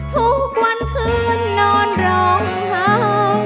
ทุกวันคืนนอนร้องเห่า